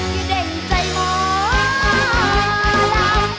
คิดได้อยู่ใจหมด